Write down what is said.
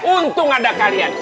untung ada kalian